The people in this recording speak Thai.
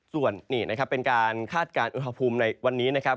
ส่วนนี่นะครับเป็นการคาดการณ์อุณหภูมิในวันนี้นะครับ